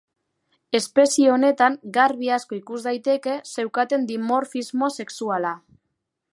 Espezie honetan garbi asko ikus daiteke zeukaten dimorfismo sexuala.